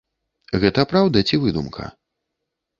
Гэта праўда ці выдумка?